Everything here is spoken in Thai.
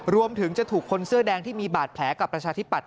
รวมถึงจะถูกคนเสื้อแดงที่มีบาดแผลกับประชาธิปัตย